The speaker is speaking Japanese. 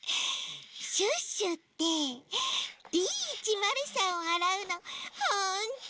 シュッシュってＤ１０３をあらうのホントにだいすきなの。